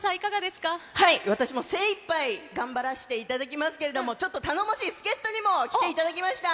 私も精いっぱい頑張らせていただきますけれども、ちょっと頼もしい助っ人にも来ていただきました。